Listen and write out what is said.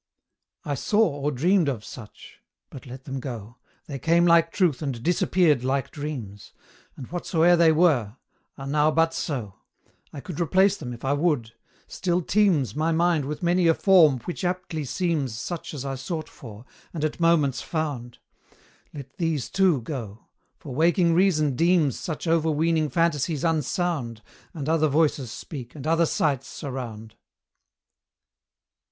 I saw or dreamed of such, but let them go They came like truth, and disappeared like dreams; And whatsoe'er they were are now but so; I could replace them if I would: still teems My mind with many a form which aptly seems Such as I sought for, and at moments found; Let these too go for waking reason deems Such overweening phantasies unsound, And other voices speak, and other sights surround.